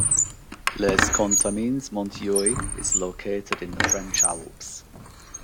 Les Contamines Montjoie is located in the French Alps.